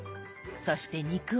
そして肉は。